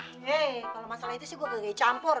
hei kalo masalah itu sih gue gak gaya campur